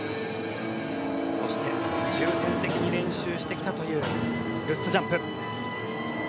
そして重点的に練習してきたというルッツジャンプ。